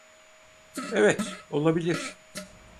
Evet, olabilir.